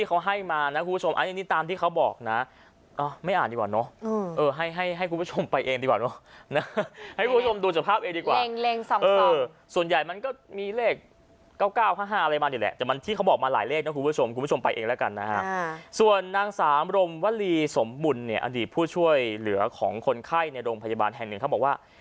เขาให้มานะคุณผู้ชมอันนี้ตามที่เขาบอกนะไม่อ่านดีกว่าเนอะเออให้ให้คุณผู้ชมไปเองดีกว่าเนอะนะให้คุณผู้ชมดูสภาพเองดีกว่าส่วนใหญ่มันก็มีเลข๙๙๕๕อะไรมานี่แหละแต่มันที่เขาบอกมาหลายเลขนะคุณผู้ชมคุณผู้ชมไปเองแล้วกันนะฮะส่วนนางสามรมวลีสมบุญเนี่ยอดีตผู้ช่วยเหลือของคนไข้ในโรงพยาบาลแห่งหนึ่งเขาบอกว่า